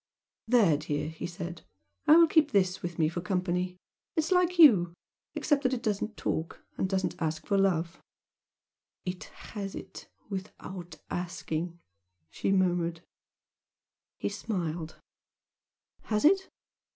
"There, dear!" he said "I will keep this with me for company! It is like you except that it doesn't talk and doesn't ask for love " "It has it without asking!" she murmured. He smiled. "Has it?